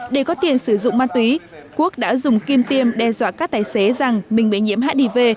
để có tiền sử dụng ma túy quốc đã dùng kim tiêm đe dọa các tài xế rằng mình bị nhiễm hại đi về